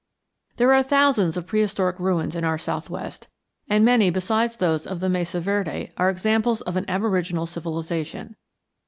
There are thousands of prehistoric ruins in our southwest, and many besides those of the Mesa Verde are examples of an aboriginal civilization.